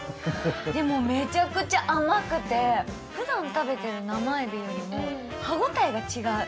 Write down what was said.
でも、めちゃくちゃ甘くて、ふだん食べてる生えびよりも歯応えが違う。